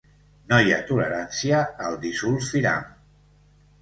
No hi ha tolerància al disulfiram.